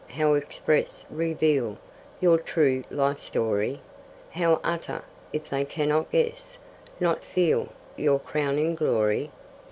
How express, reveal Your true life story? How utter, if they cannot guess not feel Your crowning glory?